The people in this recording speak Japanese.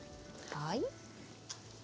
はい。